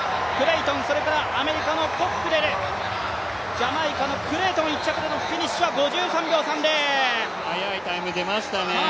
ジャマイカのクレイトン１着でのフィニッシュは速いタイム出ましたね。